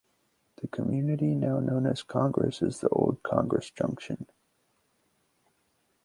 The community now known as Congress is the old Congress Junction.